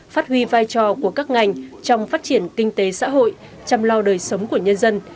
phát huy vai trò của các ngành trong phát triển kinh tế xã hội chăm lau đời sống của nhân dân